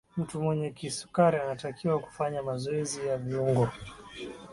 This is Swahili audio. mtu mwenye kisukari anatakiwa kufanya mazoezi ya viungo